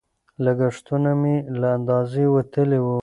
لګښتونه مې له اندازې وتلي وو.